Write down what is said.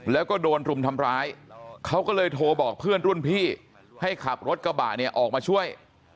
แล้วก็โดนรุมทำร้ายเขาก็เลยโทรบอกเพื่อนรุ่นพี่ให้ขับรถกระบะเนี่ยออกมาช่วย